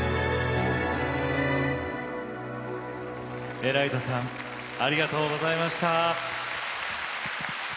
ＥＬＡＩＺＡさんありがとうございました。